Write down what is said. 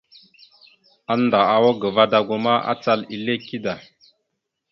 Annda awak ga vadago ma, acal ille kida.